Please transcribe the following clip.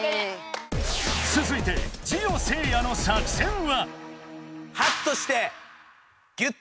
つづいてジオせいやの作戦は？